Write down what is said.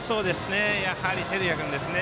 やはり照屋君ですね。